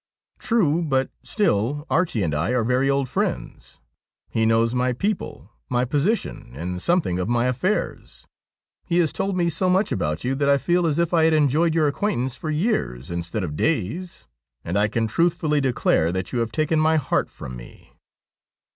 ' True. But, still, Archie and I are very old friends. He knows my people, my position, and something of my affairs. He has told me so much about you that I feel as if I had enjoyed your acquaintance for years instead of days, and I can truthfully declare that you have taken my heart from me.'